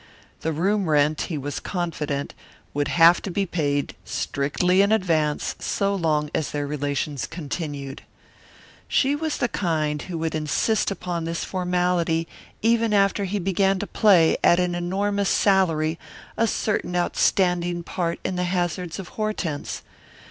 The room rent, he was confident, would have to be paid strictly in advance so long as their relations continued. She was the kind who would insist upon this formality even after he began to play, at an enormous salary, a certain outstanding part in the Hazards of Hortense.